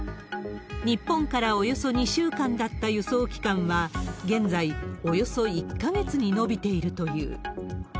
日本からおよそ２週間だった輸送期間は、現在、およそ１か月に延びているという。